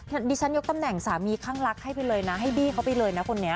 ดิฉันยกตำแหน่งสามีข้างรักให้ไปเลยนะให้บี้เขาไปเลยนะคนนี้